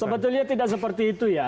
sebetulnya tidak seperti itu ya